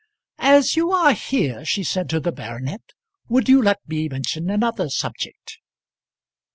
"As you are here," she said to the baronet, "would you let me mention another subject?"